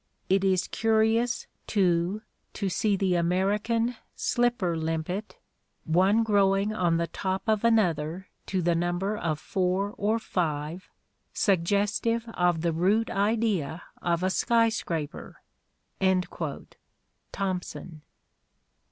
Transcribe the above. It is curious, too, to see the American slipper limpet — one growing on the top of another to the number of four or five — suggestive of the root idea of a skyscraper " (Thomson).